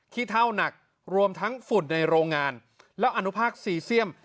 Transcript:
เท่านักรวมทั้งฝุ่นในโรงงานแล้วอนุภาคซีเซียม